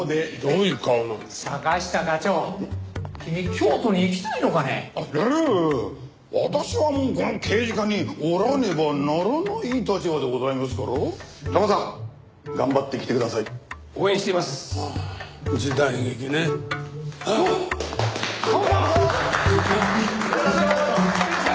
いってらっしゃい！